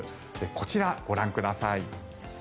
こちら、ご覧ください。